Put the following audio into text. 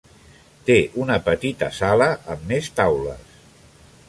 Té una petita sala amb més taules.